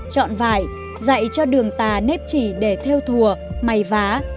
chọn vải dạy cho đường tà nếp chỉ để theo thùa mày vá